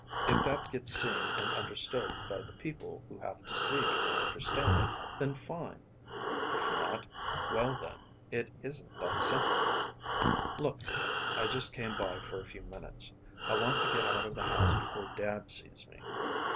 If that gets seen and understood by the people who have to see and understand it, then fine. If not, well then, it isn't that simple. Look, Clea, I just came by for a few minutes. I want to get out of the house before Dad sees me.